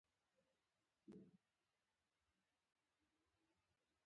کله کله یې په نه څه غاړه ور وباسم.